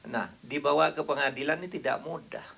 nah dibawa ke pengadilan ini tidak mudah